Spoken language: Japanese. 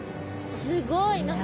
すごい何か。